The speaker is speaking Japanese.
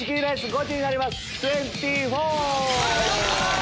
ゴチになります！